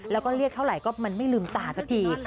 แล้วก็เรียกเท่าไหร่ก็มันไม่ลืมตาสักที